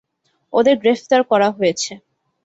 ওদের গ্রেফতার করা হয়েছে।